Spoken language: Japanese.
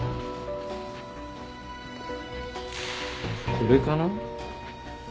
これかな？